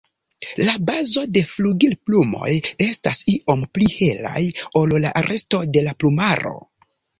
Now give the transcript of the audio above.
La bazo de flugilplumoj estas iom pli helaj ol la resto de la plumaro.